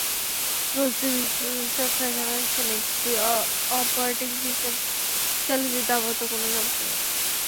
প্রযুক্তি বিশ্লেষকেরা জানিয়েছেন, XP operating system চালিয়ে যেতে আপাতত কোনো সমস্যা নেই।